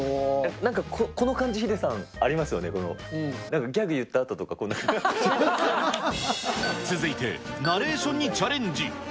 なんかこの感じ、ヒデさん、ありますよね、この、なんかギャ続いて、ナレーションにチャレンジ。